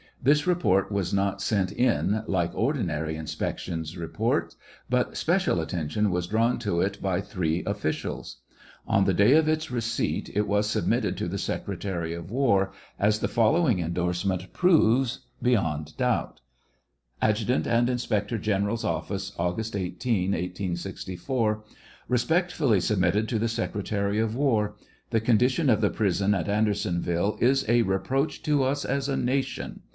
This report was not sent in like ordinary inspection reports, but special attention was drawn to it by three officials. On the day of its receipt, it was submitted to the secretary of war, as the following indorsement proves, beyond doubt : Adjutant akd Inspector General's Office, August 18, 1864. Kespectfutly submitted to the secretary of war. The condition of the prison at Audersonville is a repreach to us as a nation.